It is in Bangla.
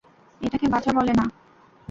এটাকে বাঁচা বলে না।